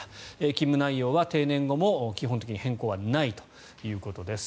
勤務内容は定年後も、基本的に変更はないということです。